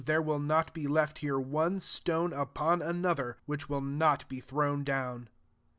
There will not be left here, one stone upon another, which will not be thrown down.''